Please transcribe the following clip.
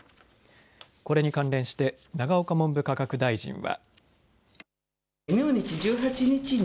これに関連して永岡文部科学大臣は。